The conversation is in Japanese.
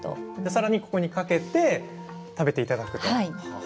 さらにここにかけて食べていただくと。